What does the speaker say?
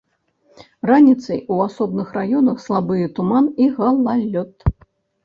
Раніцай у асобных раёнах слабыя туман і галалёд.